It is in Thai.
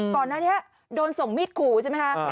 ก่อนอันนี้โดนส่งมิดคู่ใช่ไหมฮะ